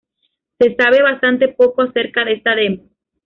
Se sabe bastante poco acerca de esta demo.